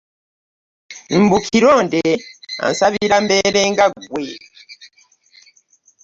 Mbu Kironde ansabira mbeere nga ggwe.